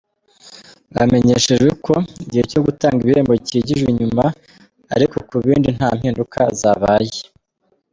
Bamenyesheje ko igihe cyo gutanga ibihembo cyigijwe inyuma ariko ku bindi nta mpinduka zabaye.